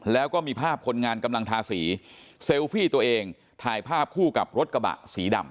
แล้วก็มีภาพคนงานกำลังทาสีเซลฟี่ตัวเองถ่ายภาพคู่กับรถกระบะสีดำ